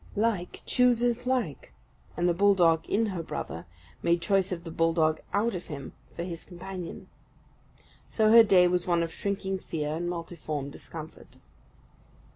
Like chooses like; and the bulldog in her brother made choice of the bull dog out of him for his companion. So her day was one of shrinking fear and multiform discomfort.